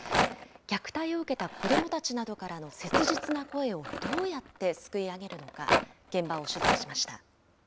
虐待を受けた子どもたちなどからの切実な声をどうやってすくいあげるのか。